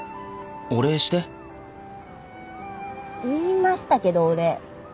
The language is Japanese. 言いましたけどお礼。